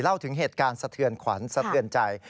เล่าถึงเหตุการณ์สะเทือนขวัญสะเทือนใจ